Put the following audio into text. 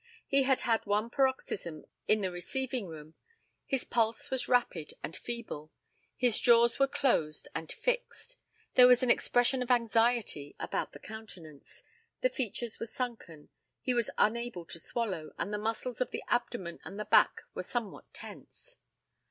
He had had one paroxysm in the receiving room; his pulse was rapid and feeble, his jaws were closed and fixed, there was an expression of anxiety about the countenance, the features were sunken, he was unable to swallow, and the muscles of the abdomen and the back were somewhat tense.